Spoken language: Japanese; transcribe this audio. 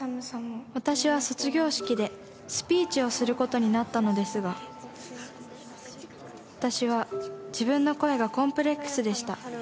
［私は卒業式でスピーチをすることになったのですが私は自分の声がコンプレックスでした］